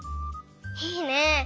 いいね！